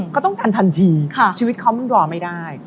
เขาต้องการทันทีชีวิตเขามันรอไม่ได้